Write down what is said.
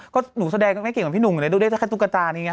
ก็หนูแสดงไม่เก่งกว่าพี่หนุ่มเลยดูได้ถ้าตุ๊กตานี้ไง